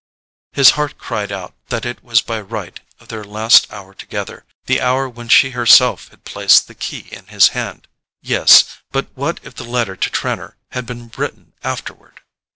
His heart cried out that it was by right of their last hour together, the hour when she herself had placed the key in his hand. Yes—but what if the letter to Trenor had been written afterward?